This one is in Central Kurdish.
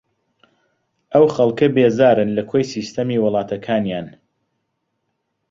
ئەو خەڵکە بێزارن لە کۆی سیستەمی وڵاتەکانیان